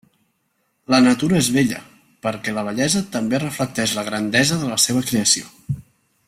La natura és bella, perquè la bellesa també reflecteix la grandesa de la seva creació.